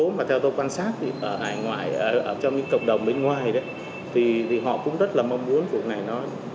đại đa số mà theo tôi quan sát thì ở ngoài trong những cộng đồng bên ngoài thì họ cũng rất là mong muốn cuộc này nói